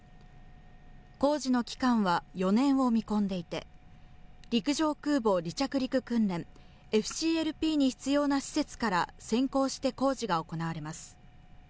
工事の期間は４年を見込んでいて、陸上空母離着陸訓練・ＦＣＬＰに必要な施設から先行して工事が行われます。